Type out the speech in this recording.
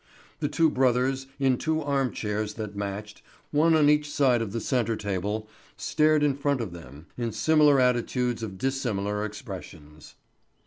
The two brothers, in two arm chairs that matched, one on each side of the centre table, stared in front of them, in similar attitudes full of dissimilar expressions.